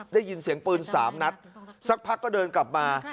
ได้ยินเสียงปืน๓นัดสักพักก็เดินกลับมา